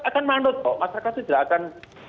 akan manut kok masyarakat tidak akan